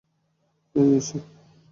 এই, আসো!